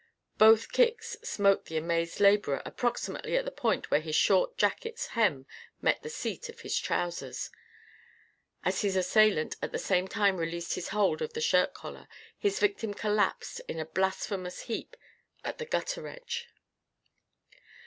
Both kicks smote the amazed labourer approximately at the point where his short jacket's hem met the seat of his trousers. As his assailant at the same time released his hold of the shirt collar, his victim collapsed in a blasphemous heap at the gutter edge.